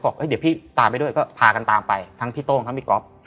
เดี๋ยวพี่ตามไปด้วยก็พากันตามไปทั้งพี่โต้งทั้งพี่ก๊อฟ